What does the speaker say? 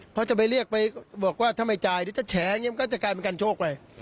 เขาจะไปเรียกไปบอกว่าถ้าไม่จ่ายจะแฉงก็จะกลายเป็นการโชคเลย